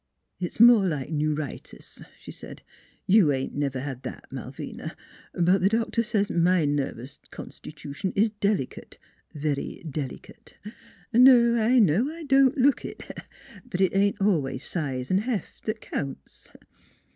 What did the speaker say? " It's more like new ritis," she said. " You ain't never had that, Malvina, but the doctor says my nervous constitution is delicate very delicate. ... No; I know I don't look it; but it ain't always size an' heft 'at counts."